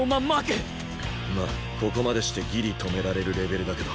まっここまでしてギリ止められるレベルだけど。